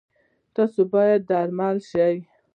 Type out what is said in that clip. تاسو باید درملنه شی